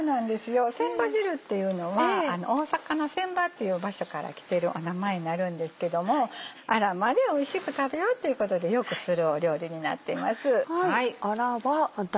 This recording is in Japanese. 船場汁っていうのは大阪の船場っていう場所からきてる名前になるんですけどもアラまでおいしく食べようっていうことでよくする料理になってます。